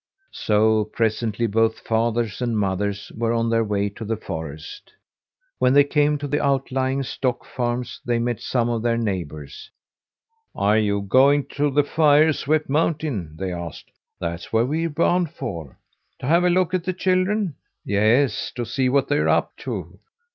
So presently both fathers and mothers were on their way to the forest. When they came to the outlying stock farms they met some of their neighbours. "Are you going to the fire swept mountain?" they asked. "That's where we're bound for." "To have a look at the children?" "Yes, to see what they're up to."